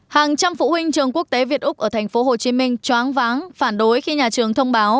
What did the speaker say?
hàng trăm phụ huynh trường quốc tế việt úc ở tp hcm choáng váng phản đối khi nhà trường thông báo